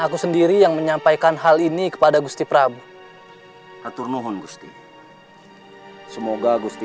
aku sendiri yang menyampaikan hal ini kepada gusti prabu aturnuhon gusti semoga gusti